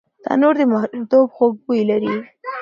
تنور د ماشومتوب خوږ بوی لري